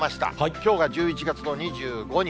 きょうが１１月の２５日。